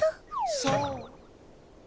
そう。